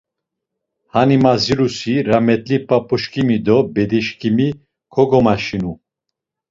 Hani mazirusi ramet̆li p̌ap̌uşǩimi do bedişǩimi kogomaşinu.